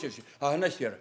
話してやる。